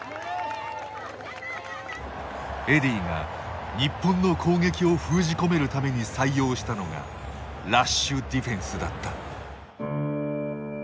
エディーが日本の攻撃を封じ込めるために採用したのがラッシュディフェンスだった。